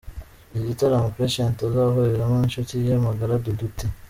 Iki gitaramo Patient azahuriramo n’inshuti ye magara Dudu T.